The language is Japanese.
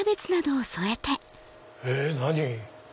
え何？